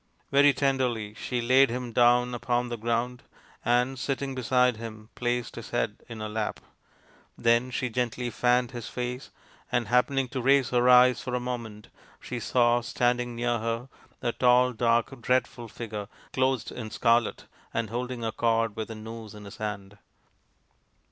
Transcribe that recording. Very tenderly she laid him down upon the ground, and, sitting beside him, placed his head in her lap. Then she gently fanned his face, and, happening to 64 THE INDIAN STORY BOOK raise her eyes for a moment, she saw standing near her a tall dark dreadful figure clothed in scarlet and holding a cord with a noose in his hand.